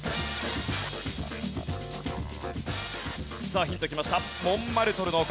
さあヒントきました。